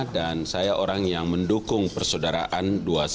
dan saya orang yang mendukung persaudaraan dua ratus dua belas